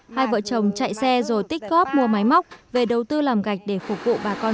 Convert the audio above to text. hai vợ chồng chạy xe rồi tích cóp mua máy móc về đầu tư làm gạch để phục vụ bà con